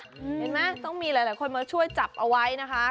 เห็นไหมต้องมีหลายคนมาช่วยจับเอาไว้นะคะ